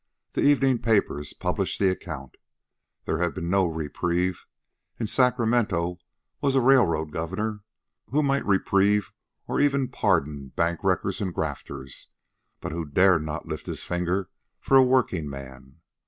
The evening papers published the account. There had been no reprieve. In Sacramento was a railroad Governor who might reprieve or even pardon bank wreckers and grafters, but who dared not lift his finger for a workingman.